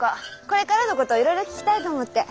これからのこといろいろ聞きたいと思って。